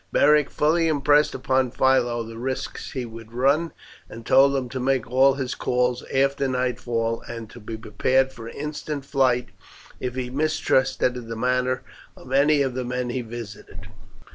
Beric fully impressed upon Philo the risks he would run, and told him to make all his calls after nightfall, and to be prepared for instant flight if he mistrusted the manner of any of the men he visited.